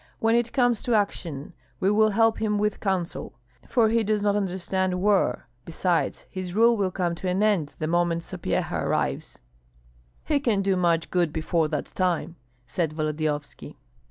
"When it comes to action we will help him with counsel, for he does not understand war. Besides, his rule will come to an end the moment Sapyeha arrives." "He can do much good before that time," said Volodyovski.